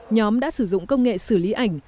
nhóm đã sử dụng công nghệ xử lý ảnh